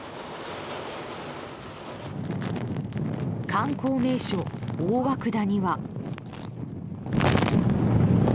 観光名所、大涌谷は。